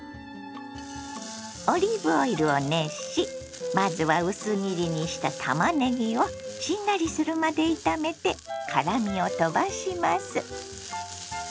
オリーブオイルを熱しまずは薄切りにしたたまねぎをしんなりするまで炒めて辛みを飛ばします。